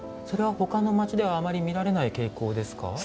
それはほかの街ではあまり見られない傾向ですか？